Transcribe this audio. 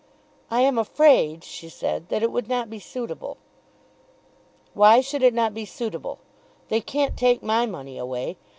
"I am afraid," she said, "that it would not be suitable." "Why should it not be suitable? They can't take my money away.